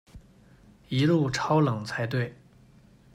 一路超冷才对